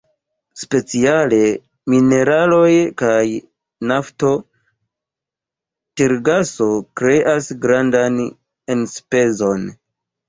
Speciale, mineraloj kaj nafto, tergaso kreas grandan enspezon.